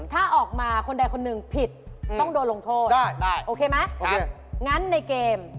ท้าทายถึงทั้งคู่นอกจากเกม